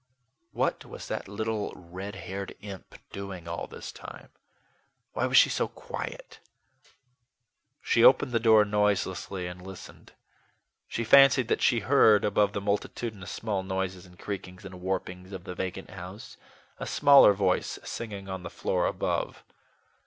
What was that little red haired imp doing all this time? Why was she so quiet? She opened the door noiselessly, and listened. She fancied that she heard, above the multitudinous small noises and creakings and warpings of the vacant house, a smaller voice singing on the floor above.